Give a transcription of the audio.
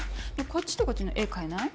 こっちとこっちの絵替えない？